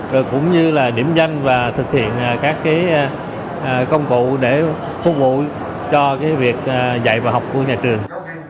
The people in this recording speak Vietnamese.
rồi cũng như là điểm danh và thực hiện các cái công cụ để phục vụ cho cái việc dạy và học của nhà trường